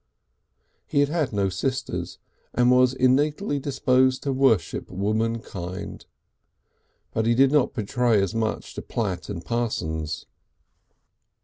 He had had no sisters, and was innately disposed to worship womankind. But he did not betray as much to Platt and Parsons.